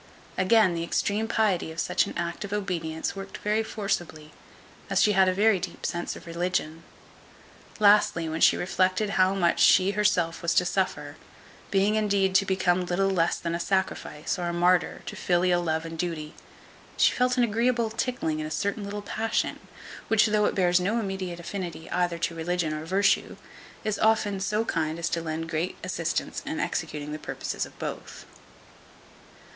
Again, the extreme piety of such an act of obedience worked very forcibly, as she had a very deep sense of religion. Lastly, when she reflected how much she herself was to suffer, being indeed to become little less than a sacrifice, or a martyr, to filial love and duty, she felt an agreeable tickling in a certain little passion, which though it bears no immediate affinity either to religion or virtue, is often so kind as to lend great assistance in executing the purposes of both.